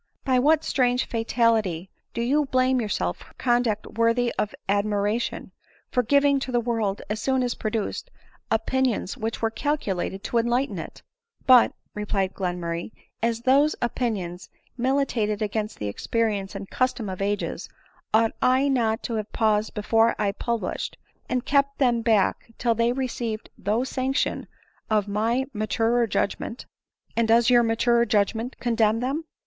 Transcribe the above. By what strange fatality do you blame yourself for conduct worthy of admiration ? for giving to the world, as soon as produced, opinions which were calculated to enlighten it?" " But," replied Glenmurray, " as those opinions mili tated against the experience and custom of ages, ought I not to have paused before I published, and kept them back till they had received the sanction of my maturer judgment ?"" And does your maturer judgment condemn them